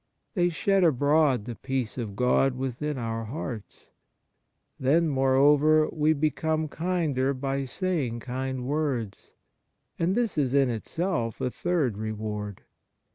They shed abroad the peace of God within our hearts. Then, moreover, we become kinder by saying kind words, and this is in itself a third reward.